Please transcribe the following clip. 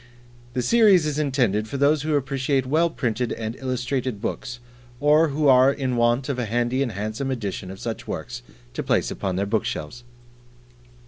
The series is intended for those who appreciate well printed and illustrated books, or who are in want of a handy and handsome edition of such works to place upon their bookshelves.